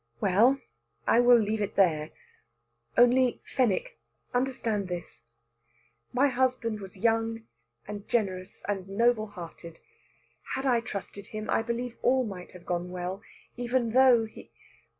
"Well, I will leave it there. Only, Fenwick, understand this: my husband was young and generous and noble hearted. Had I trusted him, I believe all might have gone well, even though he...."